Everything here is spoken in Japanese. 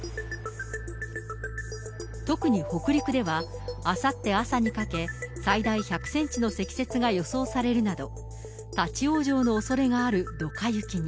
特に北陸では、あさって朝にかけ、最大１００センチの積雪が予想されるなど、立往生のおそれがあるどか雪に。